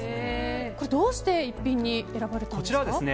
これ、どうして逸品に選ばれたんですか。